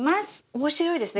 面白いですね